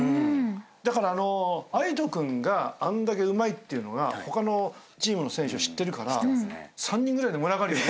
だから藍仁君があんだけうまいっていうのが他のチームの選手は知ってるから３人ぐらいで群がるよね。